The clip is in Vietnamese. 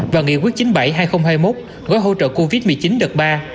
và nghị quyết một mươi hai nghìn hai mươi một gói hỗ trợ covid một mươi chín đợt ba